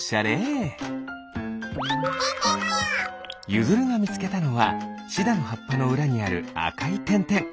ゆずるがみつけたのはシダのはっぱのうらにあるあかいてんてん。